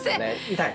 痛い？